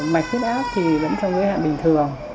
mạch khuyết ác thì vẫn trong giới hạn bình thường